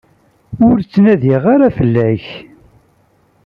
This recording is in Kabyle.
Ur ttnadiɣ ara fell-ak.